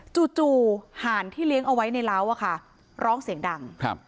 จู่หานที่เลี้ยงเอาไว้ในร้าวอะค่ะร้องเสียงดัง